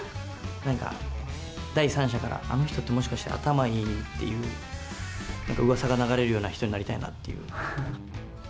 なんか第三者から、あの人ってもしかして、頭いいっていう、なんかうわさが流れるような人になりたいなっていう。